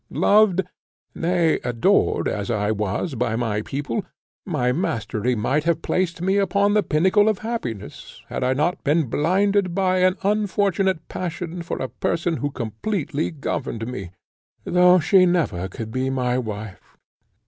Loved, nay adored, as I was, by my people, my mastery might have placed me upon the pinnacle of happiness, had I not been blinded by an unfortunate passion for a person who completely governed me, though she never could be my wife.